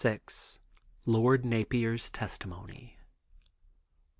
LORD NAPIER'S TESTIMONY.